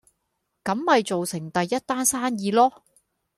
咁咪做成第一單生意囉